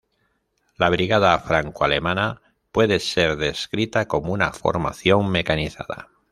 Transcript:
La brigada franco-alemana puede ser descrita como una formación mecanizada.